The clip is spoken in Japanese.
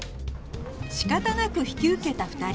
仕方なく引き受けた２人